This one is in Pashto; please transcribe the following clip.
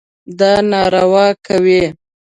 دا ناروا کوي.